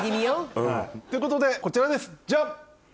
うん。ということでこちらですジャン！